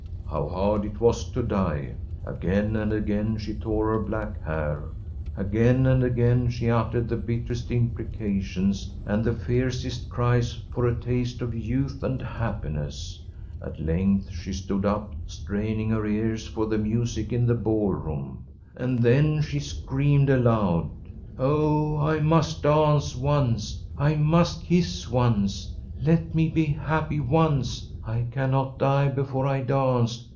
How hard it was to die! Again and again she tore her black hair. Again and again she uttered the bitterest imprecations and the fiercest cries for a taste of youth and happiness. At length she stood up, straining her ears for the music in the ballroom. And then she screamed aloud: “Oh, I must dance once! I must kiss once! Let me be happy once! I cannot die before I dance!